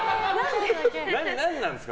何なんですか？